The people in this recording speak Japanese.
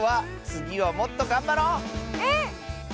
つぎはもっとがんばる！